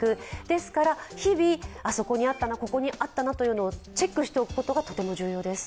ですから日々、あそこにあったな、ここにあったなというのをチェックしておくことがとても重要です。